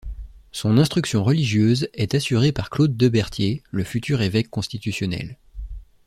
Son instruction religieuse est assurée par Claude Debertier, le futur évêque constitutionnel.